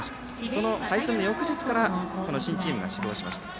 その敗戦の翌日から新チームが始動しました。